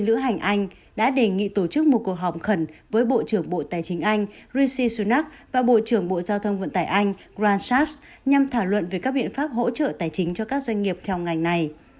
lữ hành anh đã đề nghị tổ chức một cuộc họp khẩn với bộ trưởng bộ tài chính anh rishi sunak và bộ trưởng bộ giao thông vận tải anh grantarts nhằm thảo luận về các biện pháp hỗ trợ tài chính cho các doanh nghiệp theo ngành này